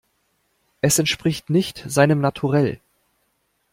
Es entspricht nicht seinem Naturell.